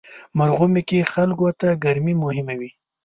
مرغومی کې خلکو ته ګرمي مهمه وي.